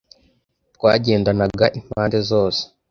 Twagendanaga impande zose.